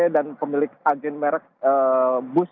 dan pemilik agen merk bus